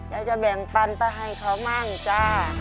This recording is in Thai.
อยากจะแบ่งปันไปให้เขามั่งจ้า